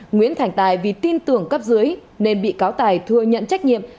nguyễn thành tài vì tin tưởng cấp dưới nên bị cáo tài thừa nhận trách nhiệm